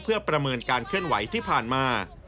เพื่อประเมินการการเร่ียก